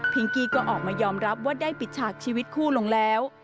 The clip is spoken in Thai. กี้ก็ออกมายอมรับว่าได้ปิดฉากชีวิตคู่ลงแล้ว